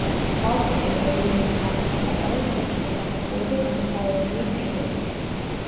წყალქვეშა რელიეფის გამოსახატავად სიღრმის საფეხურები განსხვავებულია ფერებით.